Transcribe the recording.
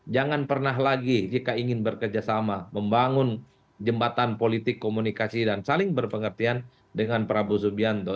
jangan pernah lagi jika ingin bekerjasama membangun jembatan politik komunikasi dan saling berpengertian dengan prabowo subianto